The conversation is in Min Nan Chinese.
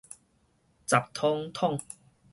雜捅捅